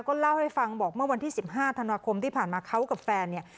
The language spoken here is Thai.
ก็เล่าให้ฟังบอกเมื่อวันที่๑๕ธันวาคมที่ผ่านมาเขากับแฟนเนี่ย